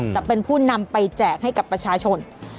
จะเป็นผู้นำไปแจกให้กับประชาชน